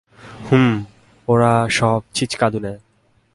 হুম, ওরা সব ছিঁচকাঁদুনে।